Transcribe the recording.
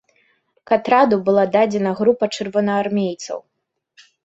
К атраду была дадзена група чырвонаармейцаў.